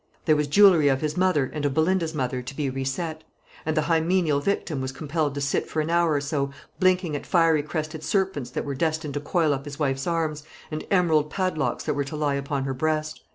There was jewellery of his mother and of Belinda's mother to be re set; and the hymeneal victim was compelled to sit for an hour or so, blinking at fiery crested serpents that were destined to coil up his wife's arms, and emerald padlocks that were to lie upon her breast.